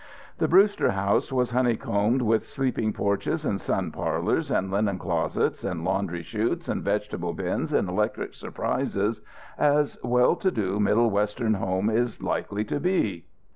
The Brewster house was honeycombed with sleeping porches and sun parlours and linen closets, and laundry chutes and vegetable bins and electric surprises as well to do Middle Western home is likely to be.